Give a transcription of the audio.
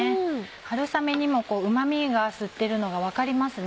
春雨にもうま味が吸ってるのが分かりますね。